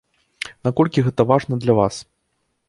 Наколькі гэта важна для вас?